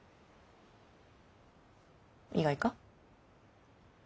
意外か？